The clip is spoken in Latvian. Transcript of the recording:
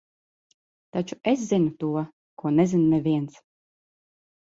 Taču es zinu to, ko nezina neviens.